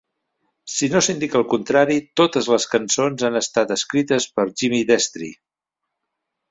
Si no s'indica el contrari, totes les cançons han estat escrites per Jimmy Destri.